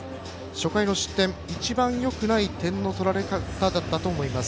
初回の失点、一番よくない点の取られ方だったと思います